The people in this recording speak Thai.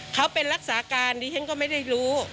เขาเป็นรักษาการดิฉันก็ไม่ได้รู้